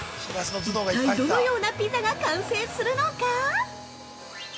一体どのようなピザが完成するのか？